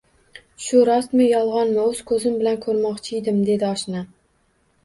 Shu rostmi-yolg`onmi, o`z ko`zim bilan ko`rmoqchiydim, dedi oshnam